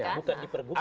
bukan di pergubnya